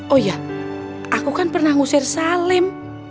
oh ya aku kan pernah ngusir salim